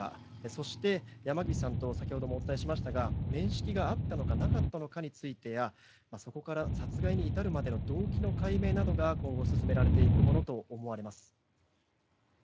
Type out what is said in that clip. そして山岸さんと先ほどもお伝えしましたが面識があったのかなかったのかについてやそこから殺害に至るまでの動機の解明などが今後進められていくものと思われます。